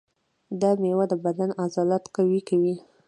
دا مېوه د بدن عضلات قوي کوي.